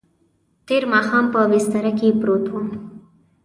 تېر ماښام په بستره کې پروت وم.